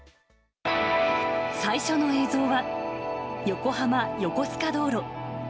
最初の映像は、横浜横須賀道路。